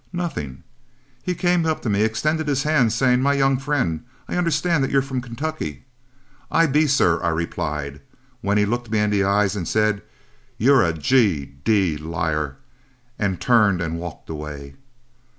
"'Nothing'; he came up to me, extended his hand, saying, "My young friend, I understand that you're from Kentucky." "I be, sir," I replied, when he looked me in the eye and said, "You're a G d liar," and turned and walked away.